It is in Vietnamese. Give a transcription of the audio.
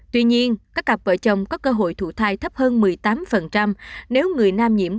tuy nhiên các cặp vợ chồng có cơ hội thụ thai thấp hơn một mươi tám nếu người nam nhiễm